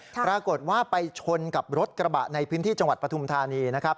ปรากฏว่าไปชนกับรถกระบะในพื้นที่จังหวัดปฐุมธานีนะครับ